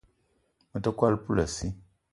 Me te kwal poulassi